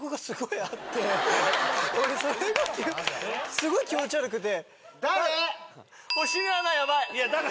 すごい気持ち悪くて。